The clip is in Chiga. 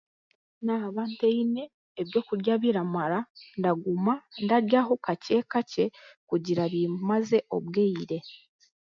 Naaba ntaine ebyokurya bitaramara, ndaguma byeho kaye kakye kugira biimmaze obwire